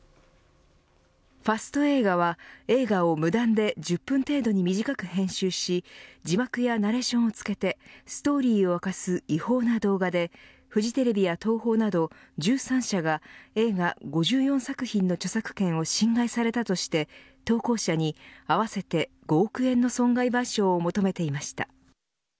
ファスト映画は映画を無断で１０分程度に短く編集し字幕やナレーションをつけてストーリーを明かす違法な動画でフジテレビや東宝など１３社が映画５４作品の著作権を侵害されたとして投稿者に合わせて５億円の損害賠償を求めていました。